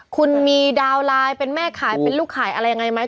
คุณมีดาวน์ไลน์เป็นแม่ขายเป็นลูกขายอะไรยังไงไหม